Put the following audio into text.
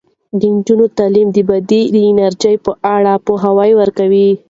د نجونو تعلیم د باد د انرژۍ په اړه پوهه ورکوي.